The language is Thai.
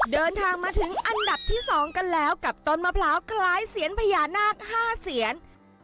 เดินทางมาถึงอันดับที่๒กันแล้วกับต้นมะพร้าวคล้ายเสียนพญานาค๕เซียน